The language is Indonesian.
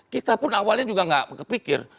kita pun awalnya juga nggak kepikir